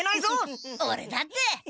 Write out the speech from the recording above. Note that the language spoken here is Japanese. オレだって！